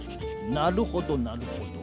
なるほどなるほど。